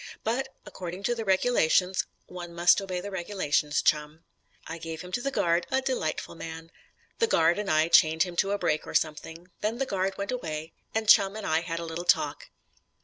But according to the regulations one must obey the regulations, Chum. I gave him to the guard a delightful man. The guard and I chained him to a brake or something. Then the guard went away, and Chum and I had a little talk....